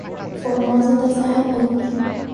Formosa da Serra Negra